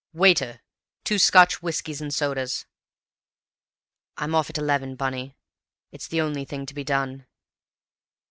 Waiter! Two Scotch whiskeys and sodas. I'm off at eleven, Bunny; it's the only thing to be done."